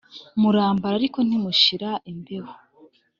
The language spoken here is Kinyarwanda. murambara ariko ntimushira imbeho